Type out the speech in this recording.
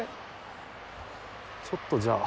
ちょっとじゃあ。